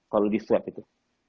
kalau di swab itu